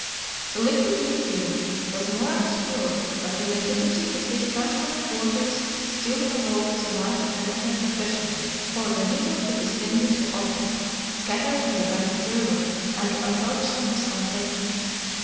The liquid medium was more obscure, but the limpidity of these transparent waters still allowed the light to penetrate sufficiently for Benito to distinguish the objects scattered on the bed of the river, and to approach them with some safety.